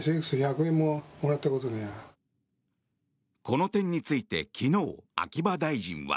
この点について昨日秋葉大臣は。